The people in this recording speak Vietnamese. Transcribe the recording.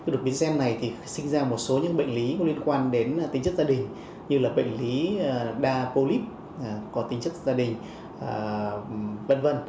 đột biến gen này thì sinh ra một số những bệnh lý liên quan đến tính chất gia đình như là bệnh lý đa polip có tính chất gia đình v v